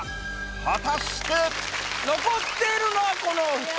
果たして⁉残っているのはこのお２人。